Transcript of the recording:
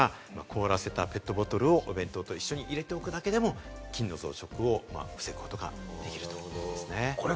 保冷剤ですとか、凍らせたペットボトルをお弁当と一緒に入れておくだけでも菌の増殖を防ぐことができるということですね。